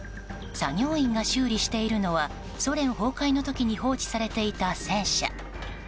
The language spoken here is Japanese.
作業員が修理しているのはソ連崩壊の時に放置されていた戦車。